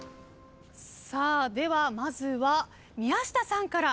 さあではまずは宮下さんから。